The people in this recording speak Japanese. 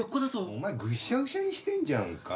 お前ぐしゃぐしゃにしてんじゃんか。